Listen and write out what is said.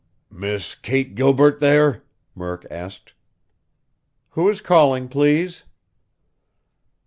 "Miss Kate Gilbert there?" Murk asked. "Who is calling, please?"